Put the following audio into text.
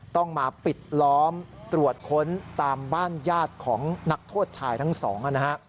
ต้องมาปิดล้อมตรวจค้นตามบ้านญาติของนักโทษชายทั้งสองนะฮะ